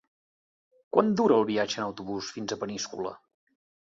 Quant dura el viatge en autobús fins a Peníscola?